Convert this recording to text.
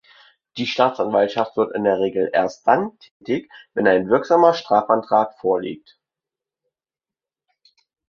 Die Staatsanwaltschaft wird in der Regel erst dann tätig, wenn ein wirksamer Strafantrag vorliegt.